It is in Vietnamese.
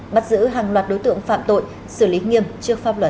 bắt giữ hàng loạt đối tượng phạm tội xử lý nghiêm trước pháp luật